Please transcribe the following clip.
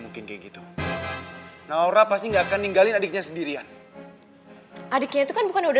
kinta kamu kalau ngomong jangan sembarangan ya